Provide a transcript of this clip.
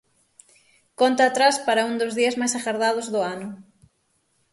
Conta atrás para un dos días máis agardados do ano.